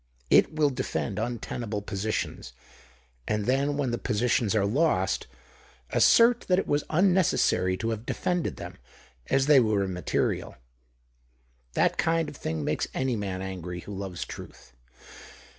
It will defend untenable positions, and then — when the positions are lost — assert that it w^as unnecessary to have defended them, as they were immaterial. That kind of thing makes any man angry who loves truth.